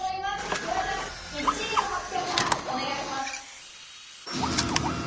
フワちゃん１位の発表からお願いします。